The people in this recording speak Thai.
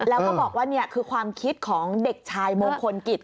แล้วก็บอกว่านี่คือความคิดของเด็กชายมงคลกิจ